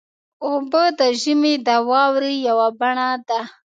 اوبه د ژمي د واورې یوه بڼه ده.